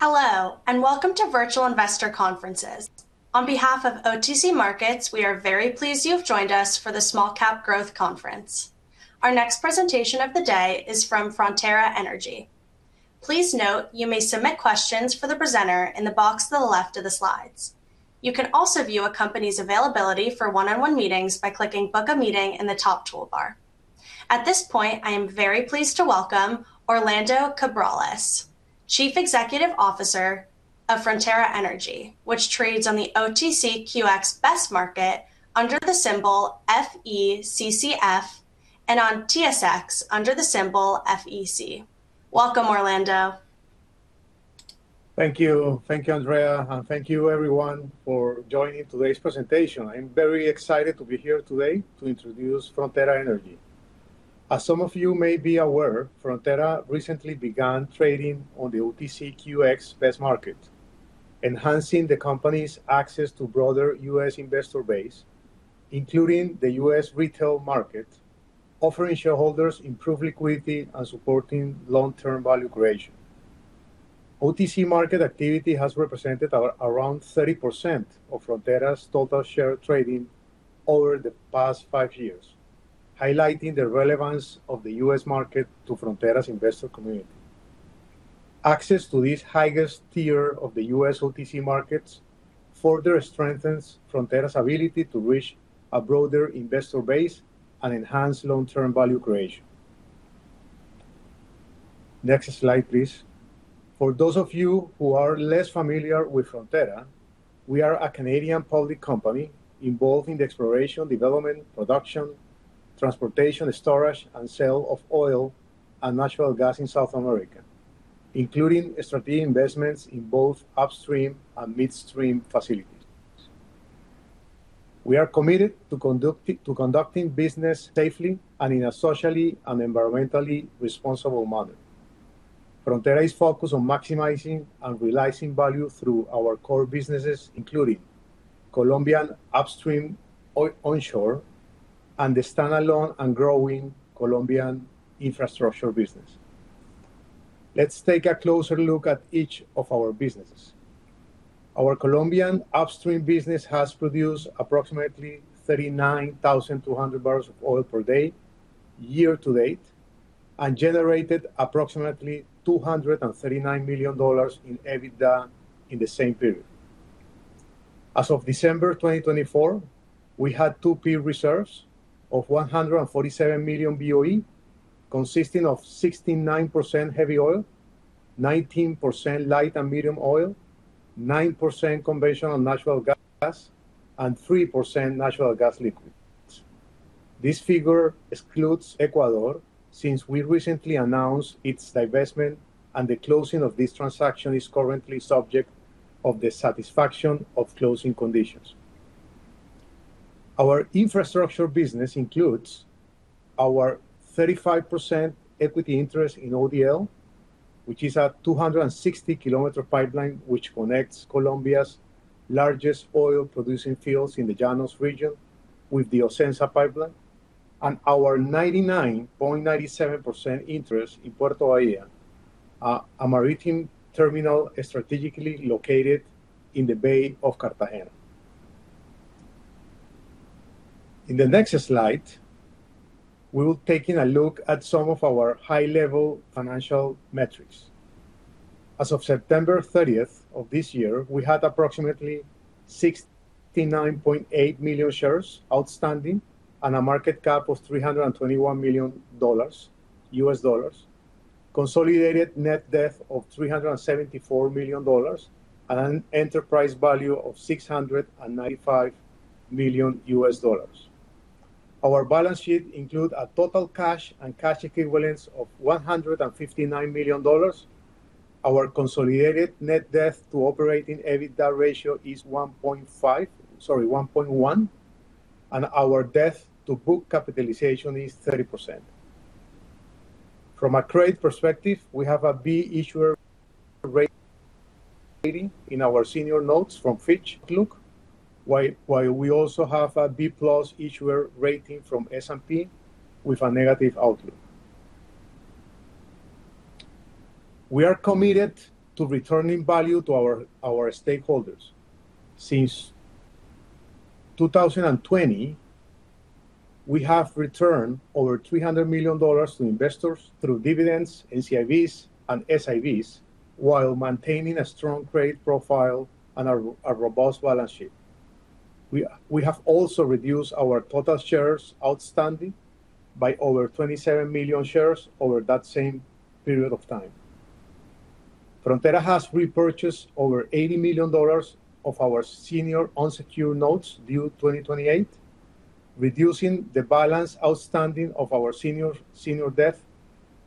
Hello, and welcome to Virtual Investor Conferences. On behalf of OTC Markets, we are very pleased you have joined us for the Small Cap Growth Conference. Our next presentation of the day is from Frontera Energy. Please note you may submit questions for the presenter in the box to the left of the slides. You can also view a company's availability for one-on-one meetings by clicking "Book a Meeting" in the top toolbar. At this point, I am very pleased to welcome Orlando Cabrales, Chief Executive Officer of Frontera Energy, which trades on the OTCQX Best Market under the symbol FECCF and on TSX under the symbol FEC. Welcome, Orlando. Thank you. Thank you, Andrea, and thank you, everyone, for joining today's presentation. I'm very excited to be here today to introduce Frontera Energy. As some of you may be aware, Frontera recently began trading on the OTCQX Best Market, enhancing the company's access to a broader U.S. investor base, including the U.S. retail market, offering shareholders improved liquidity and supporting long-term value creation. OTC market activity has represented around 30% of Frontera's total share trading over the past five years, highlighting the relevance of the U.S. market to Frontera's investor community. Access to this highest tier of the U.S. OTC markets further strengthens Frontera's ability to reach a broader investor base and enhance long-term value creation. Next slide, please. For those of you who are less familiar with Frontera, we are a Canadian public company involved in the exploration, development, production, transportation, storage, and sale of oil and natural gas in South America, including strategic investments in both upstream and midstream facilities. We are committed to conducting business safely and in a socially and environmentally responsible manner. Frontera is focused on maximizing and realizing value through our core businesses, including Colombian upstream onshore and the standalone and growing Colombian infrastructure business. Let's take a closer look at each of our businesses. Our Colombian upstream business has produced approximately 39,200 barrels of oil per day year-to-date and generated approximately $239 million in EBITDA in the same period. As of December 2024, we had 2P reserves of 147 million BOE, consisting of 69% heavy oil, 19% light and medium oil, 9% conventional natural gas, and 3% natural gas liquid. This figure excludes Ecuador since we recently announced its divestment, and the closing of this transaction is currently subject to the satisfaction of closing conditions. Our infrastructure business includes our 35% equity interest in ODL, which is a 260 km pipeline that connects Colombia's largest oil-producing fields in the Llanos region with the Ocensa pipeline, and our 99.97% interest in Puerto Bahía, a maritime terminal strategically located in the Bay of Cartagena. In the next slide, we will take a look at some of our high-level financial metrics. As of September 30 of this year, we had approximately 69.8 million shares outstanding and a market cap of $321 million U.S. dollars, consolidated net debt of $374 million, and an enterprise value of $695 million U.S. dollars. Our balance sheet includes a total cash and cash equivalents of $159 million. Our consolidated net debt to operating EBITDA ratio is 1.1, and our debt to book capitalization is 30%. From a credit perspective, we have a B issuer rating in our senior notes from Fitch Ratings, while we also have a B-plus issuer rating from S&P with a negative outlook. We are committed to returning value to our stakeholders. Since 2020, we have returned over $300 million to investors through dividends, NCIBs, and SIBs, while maintaining a strong credit profile and a robust balance sheet. We have also reduced our total shares outstanding by over 27 million shares over that same period of time. Frontera has repurchased over $80 million of our senior unsecured notes due in 2028, reducing the balance outstanding of our senior debt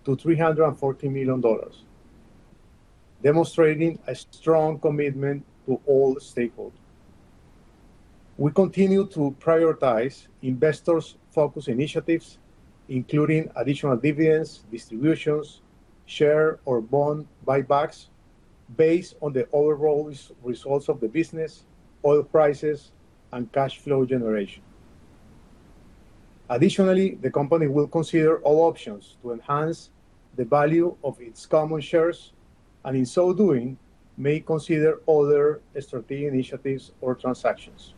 to $340 million, demonstrating a strong commitment to all stakeholders. We continue to prioritize investors' focus initiatives, including additional dividends, distributions, share or bond buybacks based on the overall results of the business, oil prices, and cash flow generation. Additionally, the company will consider all options to enhance the value of its common shares, and in so doing, may consider other strategic initiatives or transactions.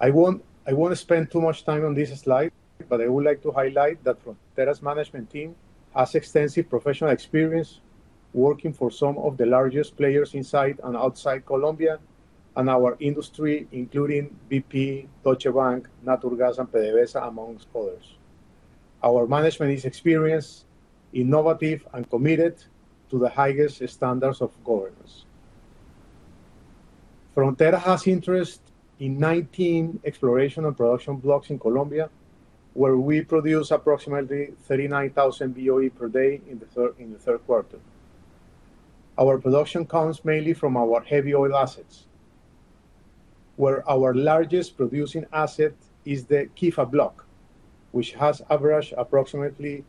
I won't spend too much time on this slide, but I would like to highlight that Frontera's management team has extensive professional experience working for some of the largest players inside and outside Colombia and our industry, including BP, Deutsche Bank, Naturgas, and PDVSA, among others. Our management is experienced, innovative, and committed to the highest standards of governance. Frontera has interest in 19 exploration and production blocks in Colombia, where we produce approximately 39,000 BOE per day in the third quarter. Our production comes mainly from our heavy oil assets, where our largest producing asset is the Quifa Block, which has averaged approximately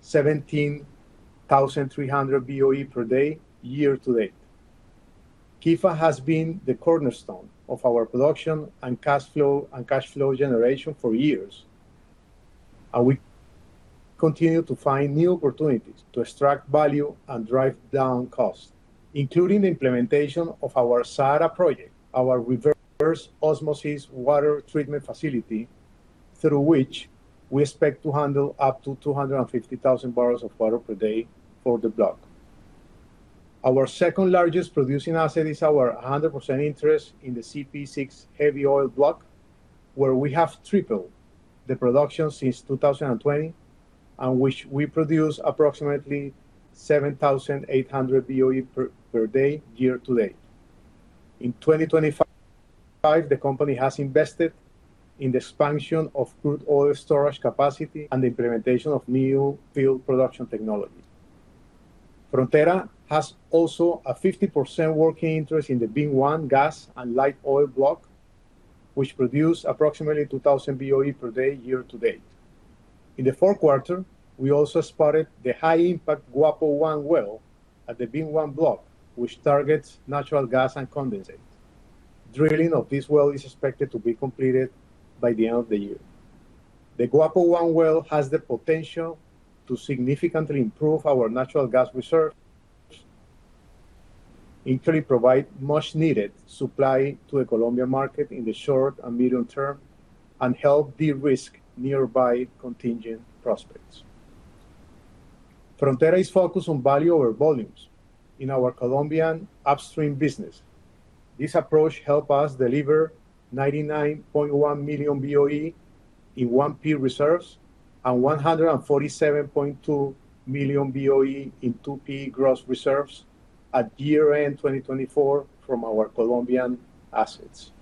17,300 BOE per day year-to-date. Quifa has been the cornerstone of our production and cash flow generation for years, and we continue to find new opportunities to extract value and drive down cost, including the implementation of our SAARA project, our reverse osmosis water treatment facility, through which we expect to handle up to 250,000 barrels of water per day for the block. Our second largest producing asset is our 100% interest in the CPE-6 heavy oil block, where we have tripled the production since 2020, and which we produce approximately 7,800 BOE per day year-to-date. In 2025, the company has invested in the expansion of crude oil storage capacity and the implementation of new field production technology. Frontera has also a 50% working interest in the VIM-1 gas and light oil block, which produces approximately 2,000 BOE per day year-to-date. In the fourth quarter, we also started the high-impact Guama-1 well at the VIM-1 block, which targets natural gas and condensate. Drilling of this well is expected to be completed by the end of the year. The Guama-1 well has the potential to significantly improve our natural gas reserves, increase much-needed supply to the Colombian market in the short and medium term, and help de-risk nearby contingent prospects. Frontera is focused on value over volumes in our Colombian upstream business. This approach helps us deliver 99.1 million BOE in 1P reserves and 147.2 million BOE in 2P reserves at year-end 2024 from our Colombian assets.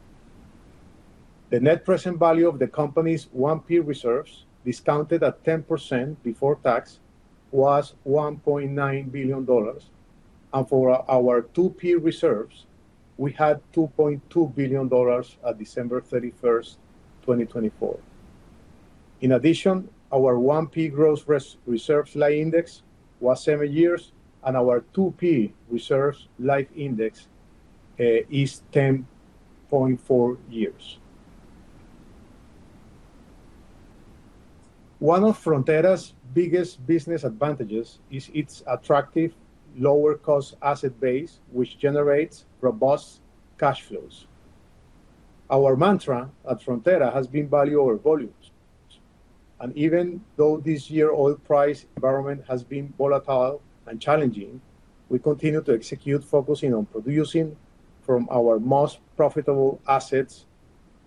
The net present value of the company's 1P reserves, discounted at 10% before tax, was $1.9 billion, and for our 2P reserves, we had $2.2 billion at December 31, 2024. In addition, our 1P gross reserves life index was seven years, and our 2P reserves life index is 10.4 years. One of Frontera's biggest business advantages is its attractive lower-cost asset base, which generates robust cash flows. Our mantra at Frontera has been value over volumes. Even though this year's oil price environment has been volatile and challenging, we continue to execute, focusing on producing from our most profitable assets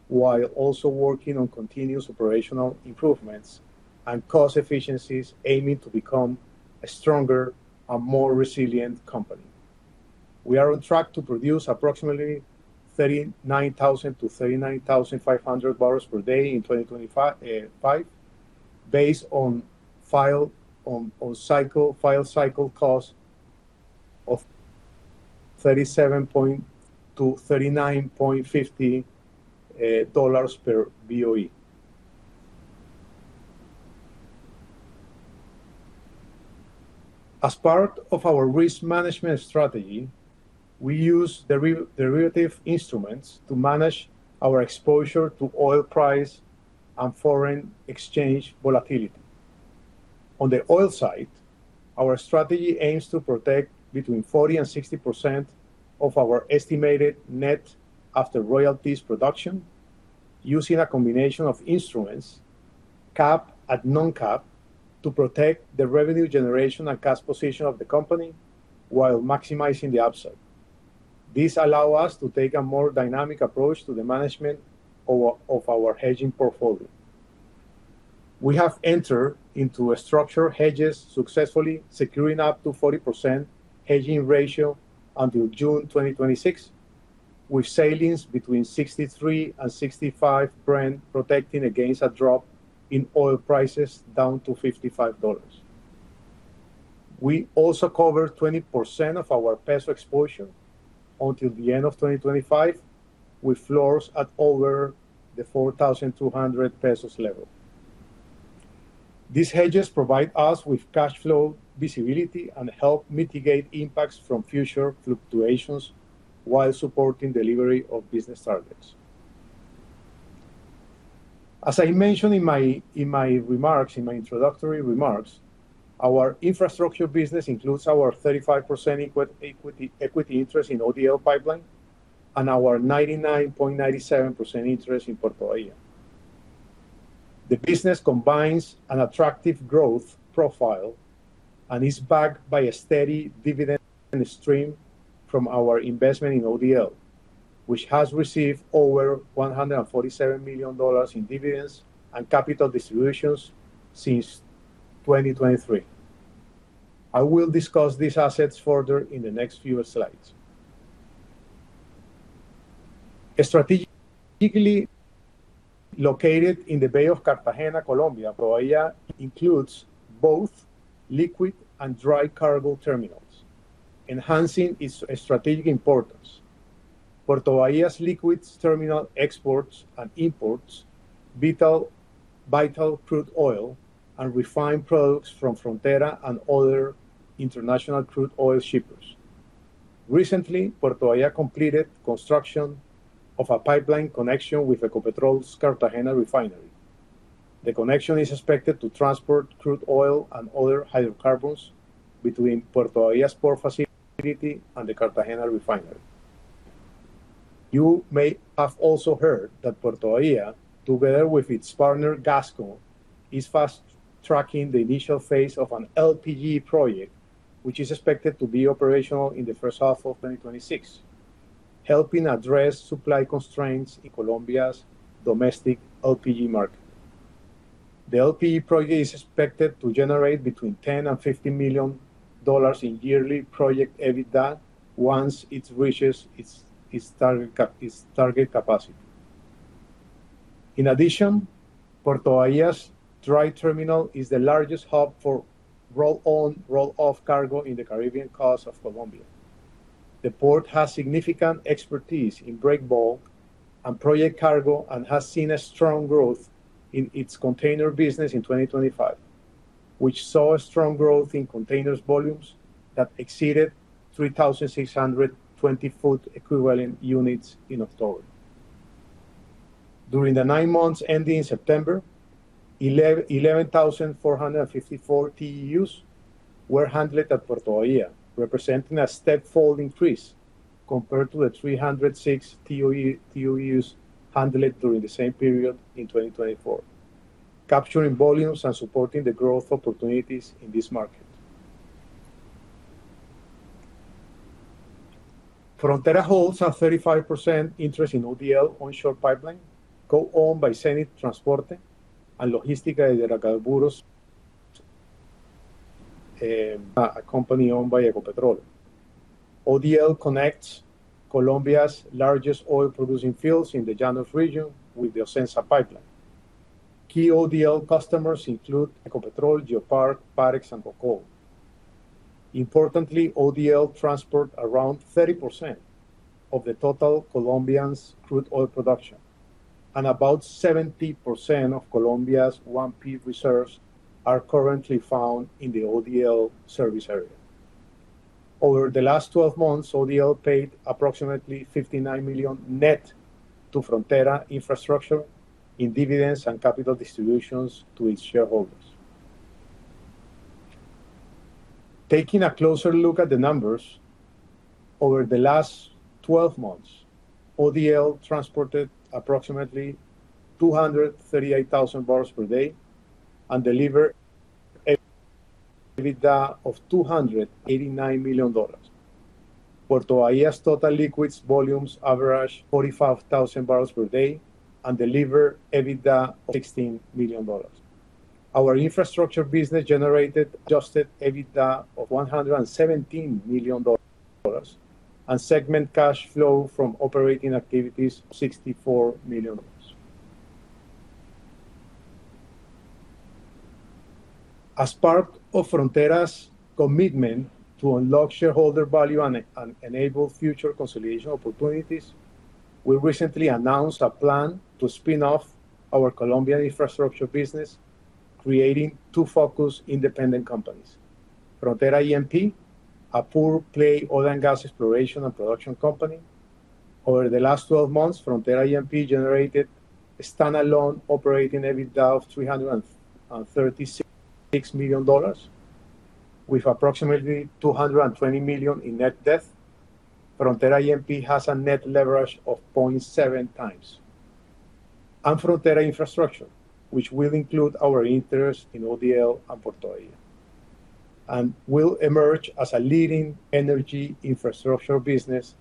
while also working on continuous operational improvements and cost efficiencies, aiming to become a stronger and more resilient company. We are on track to produce approximately 39,000 to 39,500 barrels per day in 2025, based on full cycle cost of $37.00-$39.50 per BOE. As part of our risk management strategy, we use derivative instruments to manage our exposure to oil price and foreign exchange volatility. On the oil side, our strategy aims to protect between 40% and 60% of our estimated net after royalties production, using a combination of instruments, cap and non-cap, to protect the revenue generation and cash position of the company while maximizing the upside. This allows us to take a more dynamic approach to the management of our hedging portfolio. We have entered into a structured hedges successfully, securing up to 40% hedging ratio until June 2026, with savings between 63% and 65%, protecting against a drop in oil prices down to $55. We also cover 20% of our peso exposure until the end of 2025, with floors at over the COP 4,200 level. These hedges provide us with cash flow visibility and help mitigate impacts from future fluctuations while supporting delivery of business targets. As I mentioned in my remarks, in my introductory remarks, our infrastructure business includes our 35% equity interest in ODL Pipeline and our 99.97% interest in Puerto Bahía. The business combines an attractive growth profile and is backed by a steady dividend stream from our investment in ODL, which has received over $147 million in dividends and capital distributions since 2023. I will discuss these assets further in the next few slides. Strategically located in the Bay of Cartagena, Colombia, Puerto Bahía includes both liquid and dry cargo terminals, enhancing its strategic importance. Puerto Bahía's liquid terminal exports and imports vital crude oil and refined products from Frontera and other international crude oil shippers. Recently, Puerto Bahía completed construction of a pipeline connection with Ecopetrol's Cartagena refinery. The connection is expected to transport crude oil and other hydrocarbons between Puerto Bahía's port facility and the Cartagena refinery. You may have also heard that Puerto Bahía, together with its partner Gasco, is fast-tracking the initial phase of an LPG project, which is expected to be operational in the first half of 2026, helping address supply constraints in Colombia's domestic LPG market. The LPG project is expected to generate between $10-$15 million in yearly project EBITDA once it reaches its target capacity. In addition, Puerto Bahía's dry terminal is the largest hub for roll-on and roll-off cargo in the Caribbean Coast of Colombia. The port has significant expertise in break-bulk and project cargo and has seen a strong growth in its container business in 2025, which saw a strong growth in containers' volumes that exceeded 3,620 twenty-foot equivalent units in October. During the nine months ending in September, 11,454 TEUs were handled at Puerto Bahía, representing a tenfold increase compared to the 306 TEUs handled during the same period in 2024, capturing volumes and supporting the growth opportunities in this market. Frontera holds a 35% interest in ODL onshore pipeline co-owned by Cenit Transporte y Logística de Hidrocarburos, a company owned by Ecopetrol. ODL connects Colombia's largest oil-producing fields in the Llanos region with the Ocensa pipeline. Key ODL customers include Ecopetrol, GeoPark, Parex, and Hocol. Importantly, ODL transports around 30% of the total Colombian crude oil production, and about 70% of Colombia's 1P reserves are currently found in the ODL service area. Over the last 12 months, ODL paid approximately $59 million net to Frontera Infrastructure in dividends and capital distributions to its shareholders. Taking a closer look at the numbers, over the last 12 months, ODL transported approximately 238,000 barrels per day and delivered EBITDA of $289 million. Puerto Bahía's total liquids volumes averaged 45,000 barrels per day and delivered EBITDA of $16 million. Our infrastructure business generated adjusted EBITDA of $117 million and segment cash flow from operating activities of $64 million. As part of Frontera's commitment to unlock shareholder value and enable future consolidation opportunities, we recently announced a plan to spin off our Colombian infrastructure business, creating two focused independent companies: Frontera E&P, a pure-play oil and gas exploration and production company. Over the last 12 months, Frontera E&P generated a standalone operating EBITDA of $336 million, with approximately $220 million in net debt. Frontera E&P has a net leverage of 0.7 times. Frontera Infrastructure, which will include our interest in ODL and Puerto Bahía, will emerge as a leading energy infrastructure business,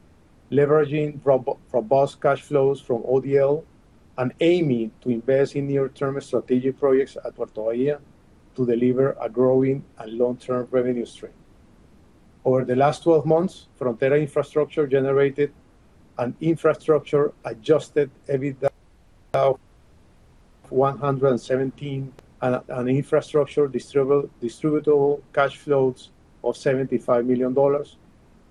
leveraging robust cash flows from ODL and aiming to invest in near-term strategic projects at Puerto Bahía to deliver a growing and long-term revenue stream. Over the last 12 months, Frontera Infrastructure generated an infrastructure-adjusted EBITDA of $117 and infrastructure distributable cash flows of $75 million,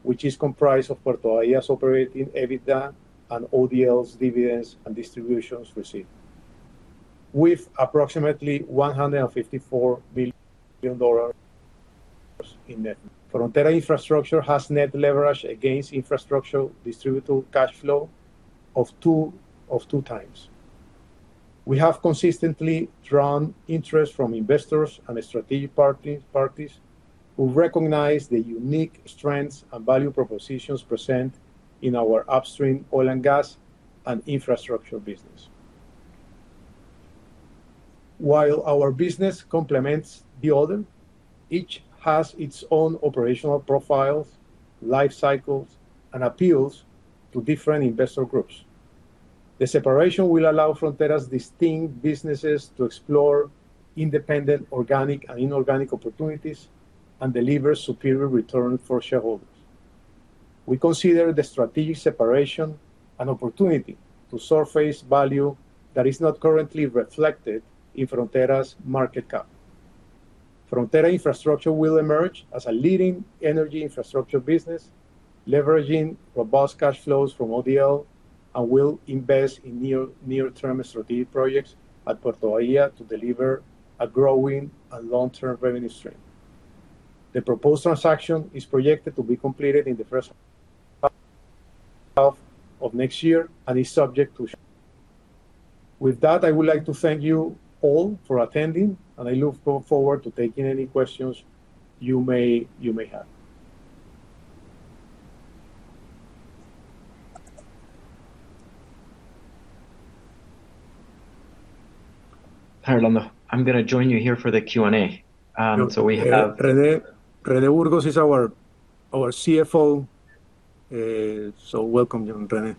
which is comprised of Puerto Bahía's operating EBITDA and ODL's dividends and distributions received, with approximately $154 million in net. Frontera Infrastructure has net leverage against infrastructure distributable cash flow of two times. We have consistently drawn interest from investors and strategic parties who recognize the unique strengths and value propositions present in our upstream oil and gas and infrastructure business. While our business complements the other, each has its own operational profiles, life cycles, and appeals to different investor groups. The separation will allow Frontera's distinct businesses to explore independent organic and inorganic opportunities and deliver superior returns for shareholders. We consider the strategic separation an opportunity to surface value that is not currently reflected in Frontera's market cap. Frontera Infrastructure will emerge as a leading energy infrastructure business, leveraging robust cash flows from ODL, and will invest in near-term strategic projects at Puerto Bahía to deliver a growing and long-term revenue stream. The proposed transaction is projected to be completed in the first half of next year and is subject to. With that, I would like to thank you all for attending, and I look forward to taking any questions you may have. Hi Orlando. I'm going to join you here for the Q&A. So we have René Burgos is our CFO. So welcome, René.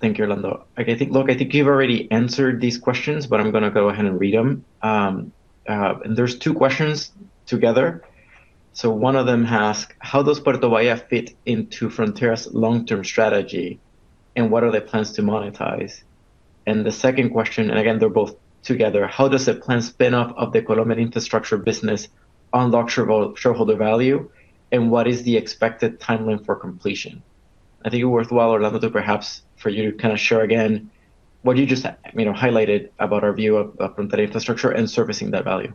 Thank you, Orlando. I think, look, I think you've already answered these questions, but I'm going to go ahead and read them. And there's two questions together. So one of them asks, how does Puerto Bahía fit into Frontera's long-term strategy, and what are the plans to monetize? And the second question, and again, they're both together, how does the planned spin-off of the Colombian infrastructure business unlock shareholder value, and what is the expected timeline for completion? I think it's worthwhile, Orlando, to perhaps for you to kind of share again what you just highlighted about our view of Frontera Infrastructure and unlocking that value.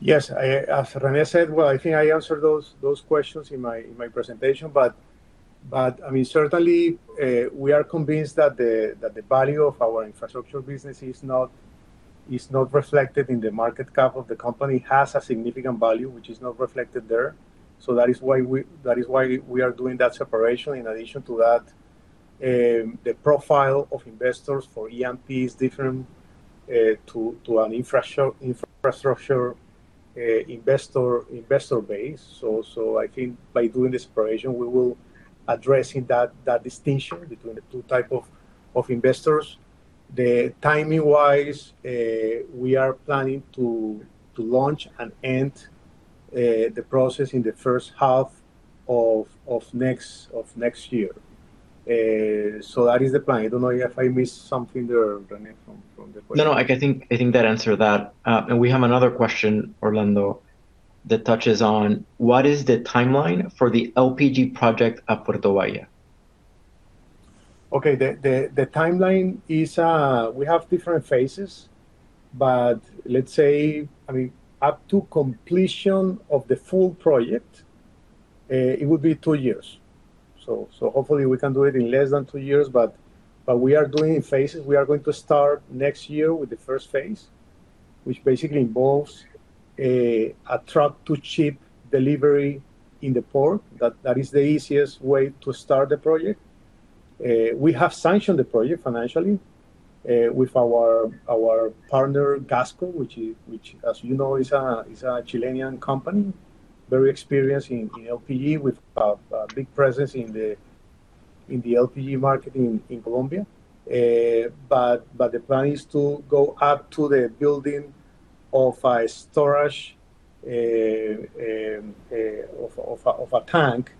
Yes, as René said, well, I think I answered those questions in my presentation, but I mean, certainly, we are convinced that the value of our infrastructure business is not reflected in the market cap of the company. It has a significant value, which is not reflected there. So that is why we are doing that separation. In addition to that, the profile of investors for E&P is different to an infrastructure investor base. So I think by doing this operation, we will address that distinction between the two types of investors. Timing-wise, we are planning to launch and end the process in the first half of next year. So that is the plan. I don't know if I missed something there, René, from the question. No, no. I think that answered that. And we have another question, Orlando, that touches on what is the timeline for the LPG project at Puerto Bahía. Okay. The timeline is we have different phases, but let's say, I mean, up to completion of the full project, it would be two years. So hopefully, we can do it in less than two years, but we are doing phases. We are going to start next year with the first phase, which basically involves a truck-to-ship delivery in the port. That is the easiest way to start the project. We have sanctioned the project financially with our partner Gasco, which, as you know, is a Chilean company, very experienced in LPG, with a big presence in the LPG market in Colombia. But the plan is to go up to the building of a storage tank,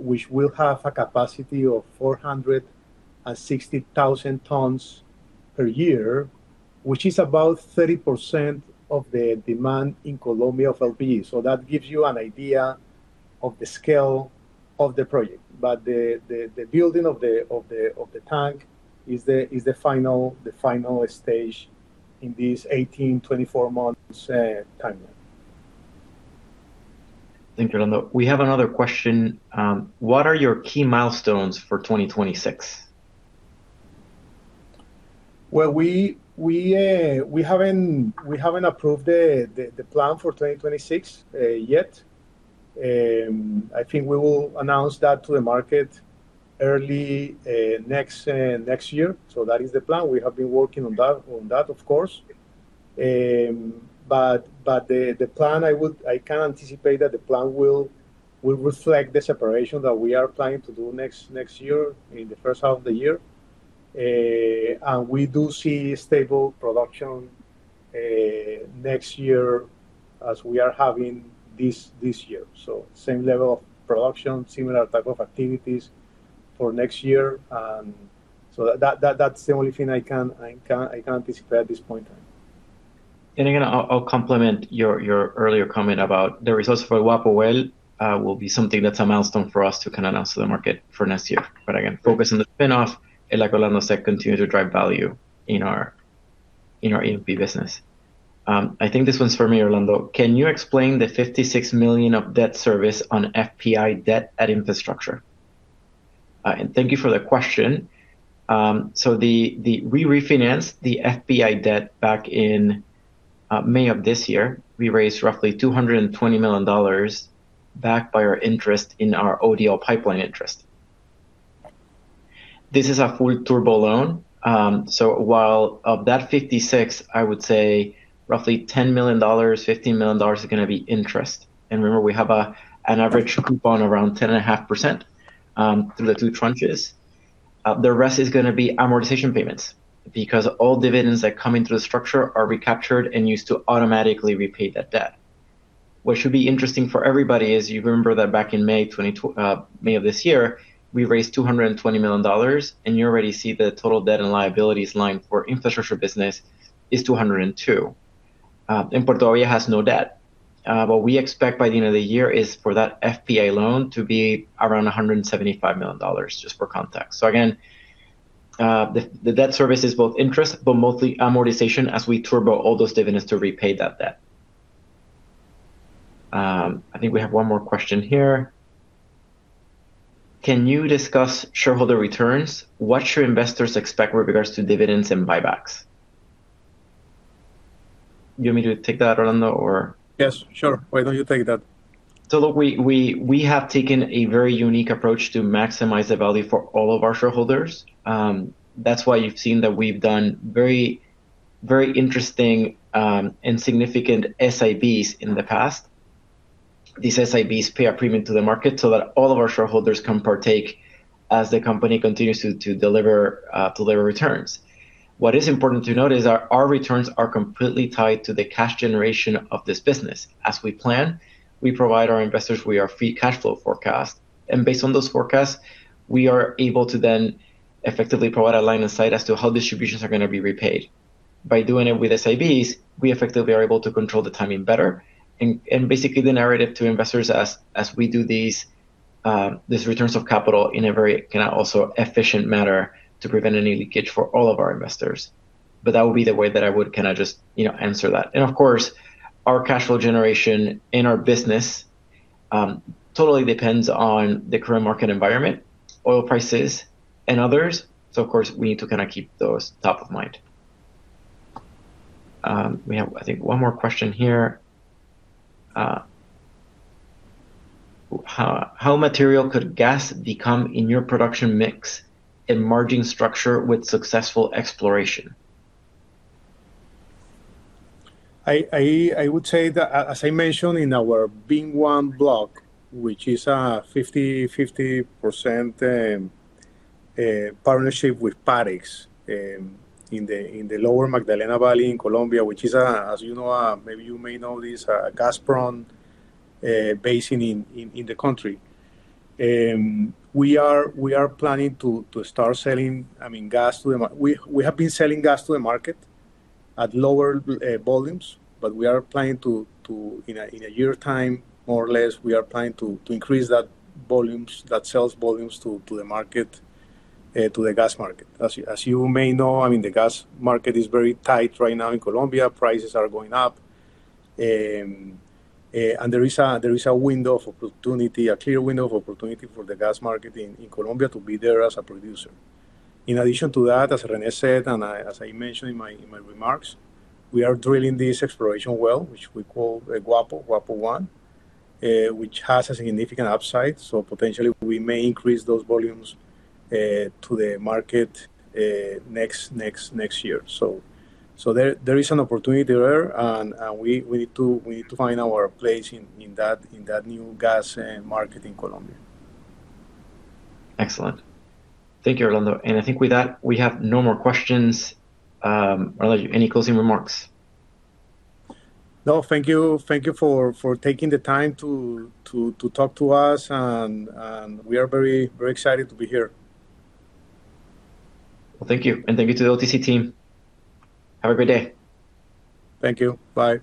which will have a capacity of 460,000 tons per year, which is about 30% of the demand in Colombia for LPG. So that gives you an idea of the scale of the project. But the building of the tank is the final stage in this 18-24-month timeline. Thank you, Orlando. We have another question. What are your key milestones for 2026? Well, we haven't approved the plan for 2026 yet. I think we will announce that to the market early next year. So that is the plan. We have been working on that, of course. But the plan, I can anticipate that the plan will reflect the separation that we are planning to do next year in the first half of the year. And we do see stable production next year as we are having this year. So same level of production, similar type of activities for next year. So that's the only thing I can anticipate at this point in time. And again, I'll complement your earlier comment about the Guama well, which will be something that's a milestone for us to kind of announce to the market for next year. But again, focus on the spin-off, and like Orlando said, continue to drive value in our EMP business. I think this one's for me, Orlando. Can you explain the $56 million of debt service on PBI debt at Infrastructure? And thank you for the question. So we refinanced the PBI debt back in May of this year. We raised roughly $220 million backed by our interest in our ODL pipeline interest. This is a full turbo loan. So while of that $56 million, I would say roughly $10 million-$15 million is going to be interest. And remember, we have an average coupon around 10.5% through the two tranches. The rest is going to be amortization payments because all dividends that come into the structure are recaptured and used to automatically repay that debt. What should be interesting for everybody is you remember that back in May of this year, we raised $220 million, and you already see the total debt and liabilities line for infrastructure business is $202 million. Puerto Bahía has no debt. What we expect by the end of the year is for that PBI loan to be around $175 million, just for context. So again, the debt service is both interest, but mostly amortization as we turbo all those dividends to repay that debt. I think we have one more question here. Can you discuss shareholder returns? What should investors expect with regards to dividends and buybacks? Do you want me to take that, Orlando, or? Yes, sure. Why don't you take that? So look, we have taken a very unique approach to maximize the value for all of our shareholders. That's why you've seen that we've done very interesting and significant SIBs in the past. These SIBs pay a premium to the market so that all of our shareholders can partake as the company continues to deliver returns. What is important to note is our returns are completely tied to the cash generation of this business. As we plan, we provide our investors with our free cash flow forecast, and based on those forecasts, we are able to then effectively provide a line of sight as to how distributions are going to be repaid. By doing it with SIBs, we effectively are able to control the timing better, and basically, the narrative to investors as we do these returns of capital in a very kind of also efficient manner to prevent any leakage for all of our investors. But that would be the way that I would kind of just answer that. And of course, our cash flow generation in our business totally depends on the current market environment, oil prices, and others. So of course, we need to kind of keep those top of mind. We have, I think, one more question here. How material could gas become in your production mix emerging structure with successful exploration? I would say that, as I mentioned in our VIM-1 block, which is a 50% partnership with Parex in the Lower Magdalena Valley in Colombia, which is, as you know, maybe you may know this, a gas-prone basin in the country. We are planning to start selling, I mean, gas to the market. We have been selling gas to the market at lower volumes, but we are planning to, in a year's time, more or less, we are planning to increase that sales volumes to the market, to the gas market. As you may know, I mean, the gas market is very tight right now in Colombia. Prices are going up, and there is a window of opportunity, a clear window of opportunity for the gas market in Colombia to be there as a producer. In addition to that, as René said, and as I mentioned in my remarks, we are drilling this exploration well, which we call Guama, Guama-1, which has a significant upside, so potentially, we may increase those volumes to the market next year, so there is an opportunity there, and we need to find our place in that new gas market in Colombia. Excellent. Thank you, Orlando. And I think with that, we have no more questions. Orlando, any closing remarks? No, thank you for taking the time to talk to us, and we are very excited to be here. Well, thank you. And thank you to the OTC team. Have a great day. Thank you. Bye.